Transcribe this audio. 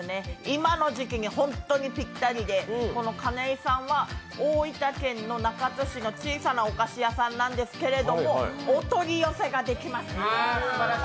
今の時期に本当にぴったりで、このかねいさんは大分県の中津市の小さなお菓子屋さんなんですけどお取り寄せができます。